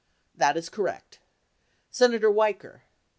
That is correct. Senator Weicker.